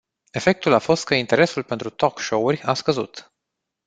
Efectul a fost că interesul pentru talk show-uri a scăzut.